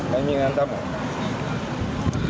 ไม่มีงานทำ